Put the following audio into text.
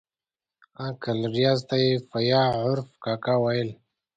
انکل ریاض ته یې په ي عرف کاکا ویل.